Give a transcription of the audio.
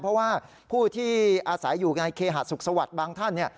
เพราะว่าผู้ที่อาศัยอยู่ในเคหาสุขสวัสดิ์บางท่าน